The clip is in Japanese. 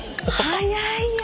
早いよ！